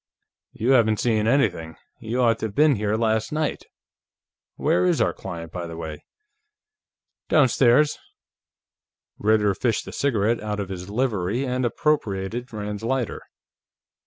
"You haven't seen anything; you ought to have been here last night ... Where is our client, by the way?" "Downstairs." Ritter fished a cigarette out of his livery and appropriated Rand's lighter.